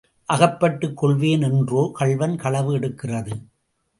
அகப்பட்டுக் கொள்வேன் என்றோ கள்வன் களவு எடுக்கிறது?